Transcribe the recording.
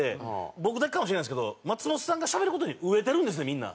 僕だけかもしれないですけど松本さんがしゃべる事に飢えてるんですねみんな。